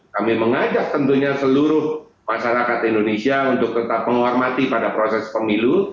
kami mengajak tentunya seluruh masyarakat indonesia untuk tetap menghormati pada proses pemilu